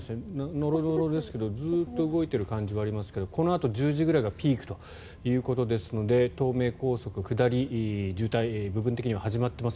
ノロノロですがずっと動いている感じはありますがこのあと１０時ぐらいがピークということですので東名高速下り、渋滞部分的には始まっています。